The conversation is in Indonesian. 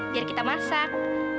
biar kita masak